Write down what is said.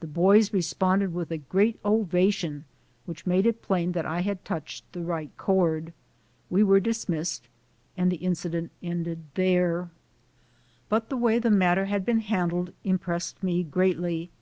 The boys re sponded with a great ovation which made it plain that I had touched the right chord. We were dis missed and the incident ended there. But the way the matter had been handled im pressed me greatly.